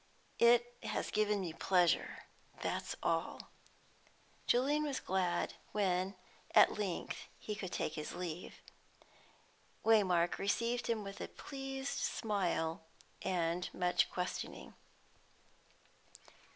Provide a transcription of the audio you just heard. "It has given me pleasure, that's all." Julian was glad when at length he could take his leave. Waymark received him with a pleased smile, and much questioning.